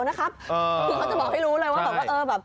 คุณเขาจะบอกให้รู้เลยว่าเหรอบะ